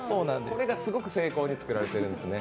これがすごく精巧に作られているんですね。